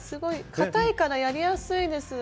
硬いからやりやすいです。